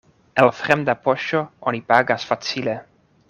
El fremda poŝo oni pagas facile.